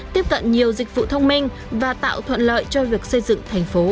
tiếp cận nhiều dịch vụ thông minh và tạo thuận lợi cho việc xây dựng thành phố